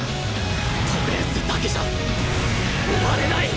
トレースだけじゃ終われない！